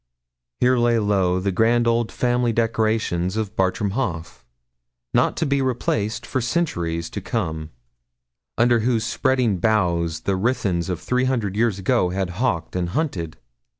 here lay low the grand old family decorations of Bartram Haugh, not to be replaced for centuries to come, under whose spreading boughs the Ruthyns of three hundred years ago had hawked and hunted!